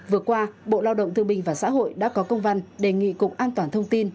vừa qua bộ lao động thương bình và xã hội đã có công văn đề nghị cục an toàn thông tin